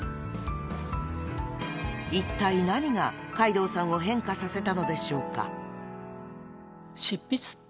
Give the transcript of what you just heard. ［いったい何が海堂さんを変化させたのでしょうか］